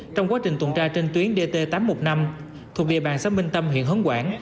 trong quá trình tuần tra trên tuyến dt tám trăm một mươi năm thuộc địa bàn xã minh tâm huyện hấn quảng